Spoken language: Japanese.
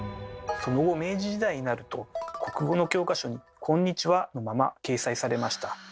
その後明治時代になると国語の教科書に「今日は」のまま掲載されました。